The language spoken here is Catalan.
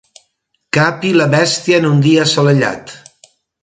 Capi la bèstia en un dia assolellat.